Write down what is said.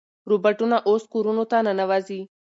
روباټونه اوس کورونو ته ننوځي.